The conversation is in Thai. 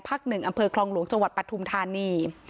ภ๑อำเภอคลองหลวงจปฐุมธานี